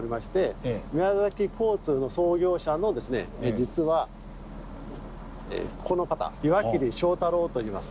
実はこの方岩切章太郎といいます。